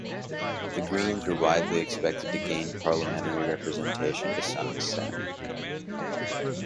The Greens were widely expected to gain parliamentary representation to some extent.